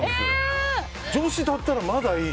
女子だったら、まだいい。